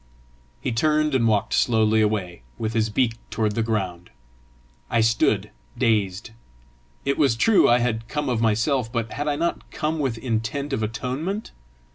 He turned and walked slowly away, with his beak toward the ground. I stood dazed. It was true I had come of myself, but had I not come with intent of atonement?